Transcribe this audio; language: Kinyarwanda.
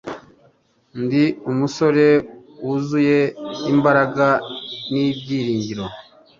Ndi umusore, wuzuye imbaraga n'ibyiringiro,